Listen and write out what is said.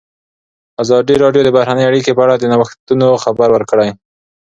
ازادي راډیو د بهرنۍ اړیکې په اړه د نوښتونو خبر ورکړی.